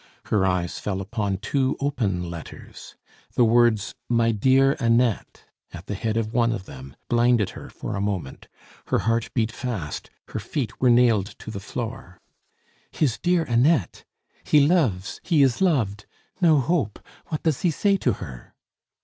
Her eyes fell upon two open letters. The words, "My dear Annette," at the head of one of them, blinded her for a moment. Her heart beat fast, her feet were nailed to the floor. "His dear Annette! He loves! he is loved! No hope! What does he say to her?"